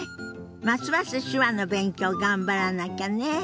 ますます手話の勉強頑張らなきゃね。